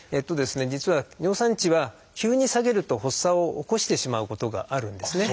実は尿酸値は急に下げると発作を起こしてしまうことがあるんですね。